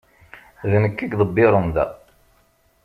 D nekk i iḍebbiren da.